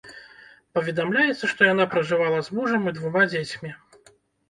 Паведамляецца, што яна пражывала з мужам і двума дзецьмі.